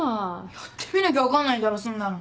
やってみなきゃ分かんないだろそんなの。